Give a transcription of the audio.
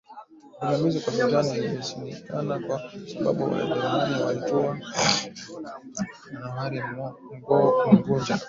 pingamizi kwa Sultani lilishindikana kwa sababu Wajerumani walituma manowari Unguja